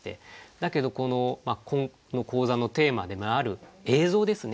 だけどこの講座のテーマでもある映像ですね。